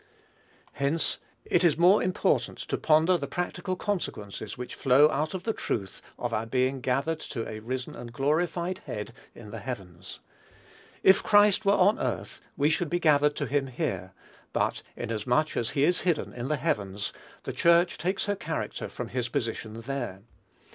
Hence, it is more important to ponder the practical consequences which flow out of the truth of our being gathered to a risen and glorified Head in the heavens. If Christ were on earth, we should be gathered to him here; but, inasmuch as he is hidden in the heavens, the Church takes her character from his position there.